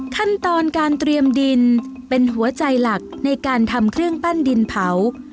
ขั้นตอนการเตรียมดินเป็นหัวใจหลักในการทำเครื่องปั้นดินเผา